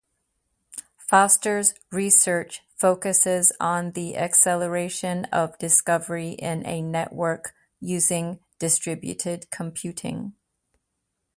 Foster's research focuses on the acceleration of discovery in a network using distributed computing.